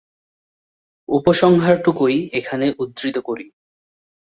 উপসংহারটুকুই এখানে উদ্ধৃত করি।